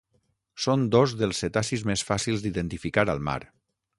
Són dos dels cetacis més fàcils d'identificar al mar.